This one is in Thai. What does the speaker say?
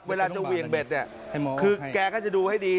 เวลาจะเหวี่ยงเบ็ดเนี่ยคือแกก็จะดูให้ดี